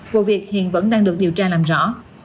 vụ việc hiện vẫn đang được điều tra làm rõ